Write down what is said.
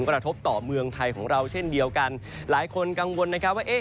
กระทบต่อเมืองไทยของเราเช่นเดียวกันหลายคนกังวลนะครับว่าเอ๊ะ